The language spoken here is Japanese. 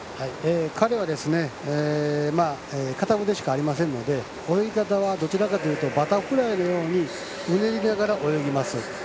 彼は、片腕しかありませんので泳ぎ方はどちらかというとバタフライのようにうねりながら泳ぎます。